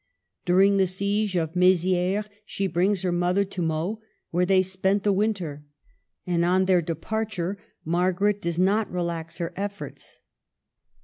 During the siege of Mezieres she brings her mother to Meaux, where they spent the winter; and on their departure Margaret does not relax her efforts.